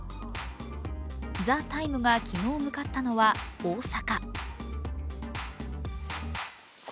「ＴＨＥＴＩＭＥ，」が昨日、向かったのは大阪。